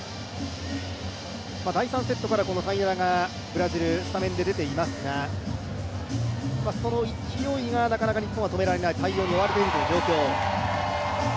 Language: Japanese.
第３セットからタイナラがブラジルスタメンで出ていますがその勢いが、なかなか日本は止められない、対応に追われている状況。